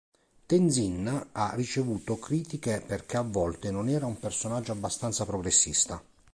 Tenzin ha ricevuto critiche perché a volte non era un personaggio abbastanza progressista.